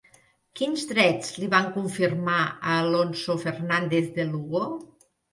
Quins drets li van confirmar a Alonso Fernández de Lugo?